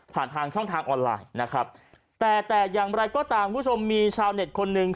ผ่านทางช่องทางออนไลน์นะครับแต่แต่อย่างไรก็ตามคุณผู้ชมมีชาวเน็ตคนหนึ่ง